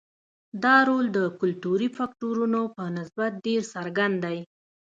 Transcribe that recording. دا رول د کلتوري فکټورونو په نسبت ډېر څرګند دی.